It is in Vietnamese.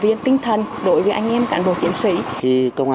viện tinh thần đối với anh em cảng đồ chiến sĩ